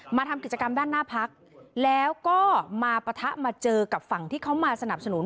มาทำกิจกรรมด้านหน้าพักแล้วก็มาปะทะมาเจอกับฝั่งที่เขามาสนับสนุน